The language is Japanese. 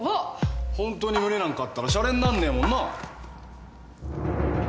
ホントに胸なんかあったらしゃれになんねえもんな。